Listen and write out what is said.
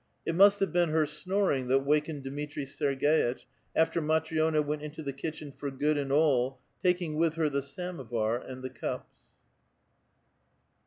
It must have been her snoring that wakened Dmitri Serg^itch, after Matri6na went into the kitchen for good and all, taking with her the samovar and the cups.